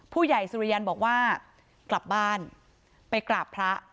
ผู้ใหญ่สุริยันบอกว่ากลับบ้านไปกราบพระ